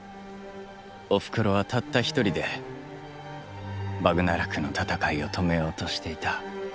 おふくろはたった一人でバグナラクの戦いを止めようとしていた。